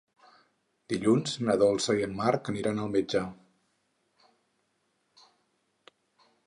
Dilluns na Dolça i en Marc aniran al metge.